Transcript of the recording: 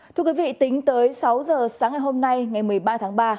thưa quý vị tính tới sáu giờ sáng ngày hôm nay ngày một mươi ba tháng ba